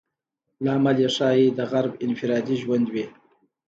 لامل یې ښایي د غرب انفرادي ژوند وي.